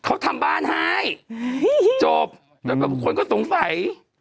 เขาทำบ้านให้จบแล้วก็คนก็สงสัย